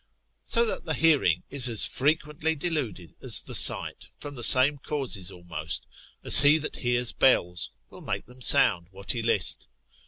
So that the hearing is as frequently deluded as the sight, from the same causes almost, as he that hears bells, will make them sound what he list.